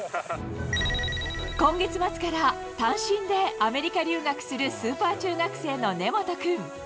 今月末から単身でアメリカ留学するスーパー中学生の根本君。